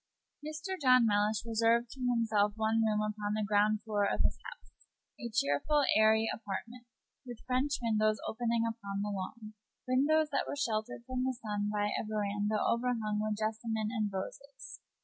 Mr. John Mellish reserved to himself one room upon the ground floor of his house, a cheerful, airy apartment, with French windows opening upon the lawn windows that were sheltered from the sun by a veranda overhung with jessamine and roses.